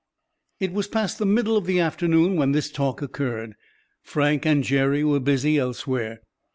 It was past the middle of the afternoon when this talk occurred. Frank and Jerry were busy elsewhere.